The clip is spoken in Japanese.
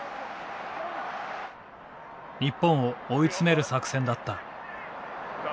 日本を追い詰める作戦だった。